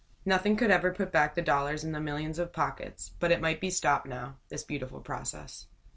Nothing could ever put back the dollars into the millions of pockets; but it might be stopped now, this beautiful process.